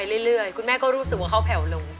เรื่อยคุณแม่ก็รู้สึกว่าเขาแผ่วลง